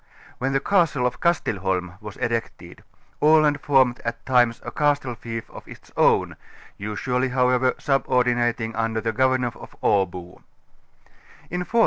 When the castle of Kastelholm was erected, Aland formed. at times a castle fief of its own, usually however subordinating un der the governor of Abo.